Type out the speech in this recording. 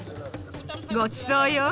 ごちそうよ。